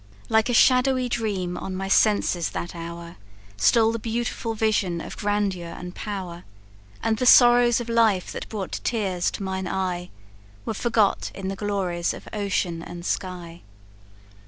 Like a shadowy dream on my senses that hour, Stole the beautiful vision of grandeur and power; And the sorrows of life that brought tears to mine eye, Were forgot in the glories of ocean and sky.